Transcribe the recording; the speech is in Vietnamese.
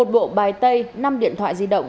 một bộ bài tay năm điện thoại di động